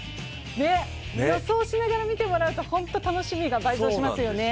ねっ、予想しながら見てもらうとホント楽しみが倍増しますよね。